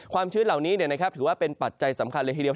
ชื้นเหล่านี้ถือว่าเป็นปัจจัยสำคัญเลยทีเดียว